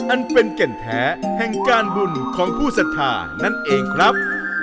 อันเป็นแก่นแท้แห่งการบุญของผู้ศรัทธานั่นเองครับ